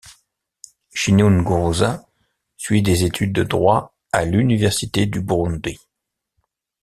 Sinunguruza suit des études de droit à l'université du Burundi.